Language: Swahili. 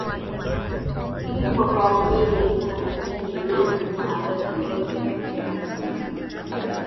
kubwa kwa watu wengi alisema Daktari Tulia Ni mtu ambaye ulikuwa unampigia simu